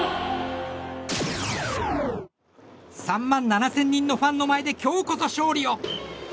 ３万７０００人のファンの前で今日こそ勝利を。